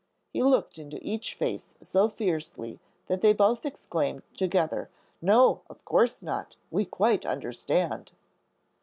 He looked into each face so fiercely that they both exclaimed together, "No, of course not. We quite understand."